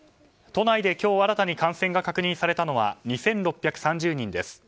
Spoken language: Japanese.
都内で今日新たに感染が確認されたのは２６３０人です。